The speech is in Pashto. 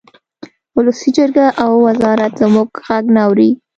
ولسي جرګه او وزارت زموږ غږ نه اوري